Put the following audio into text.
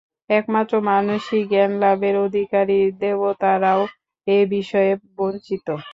একমাত্র মানুষই জ্ঞানলাভের অধিকারী, দেবতারাও এ-বিষয়ে বঞ্চিত।